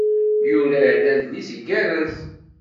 Yura-d adlis igerrez.